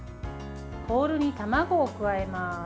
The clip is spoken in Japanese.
ボウルに卵を加えます。